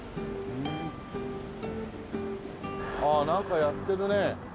ああなんかやってるね。